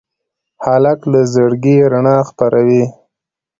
هلک له زړګي رڼا خپروي.